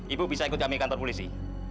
ibu bisa ikut kami kantor polisi